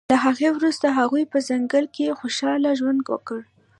له هغې وروسته هغوی په ځنګل کې خوشحاله ژوند وکړ